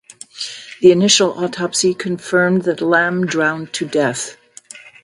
An initial autopsy confirmed that Lam drowned to death.